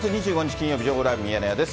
金曜日、情報ライブミヤネ屋です。